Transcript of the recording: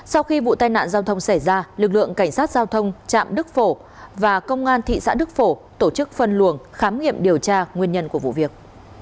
sau khi vụ tai nạn giao thông xảy ra lực lượng cảnh sát giao thông trạm đức phổ và công an thị xã đức phổ tổ chức phân luồng khám nghiệm điều tra nguyên nhân của vụ việc